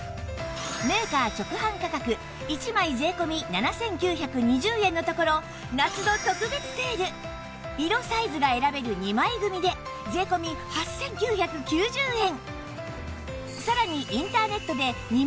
メーカー直販価格１枚税込７９２０円のところ夏の特別セール色サイズが選べる２枚組で税込８９９０円